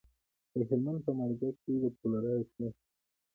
د هلمند په مارجه کې د فلورایټ نښې شته.